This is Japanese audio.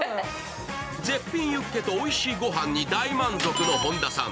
絶品ユッケとおいしいご飯に大満足の本田さん。